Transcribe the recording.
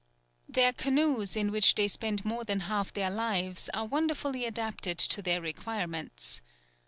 Their canoes, in which they spend more than half their lives, are wonderfully adapted to their requirements.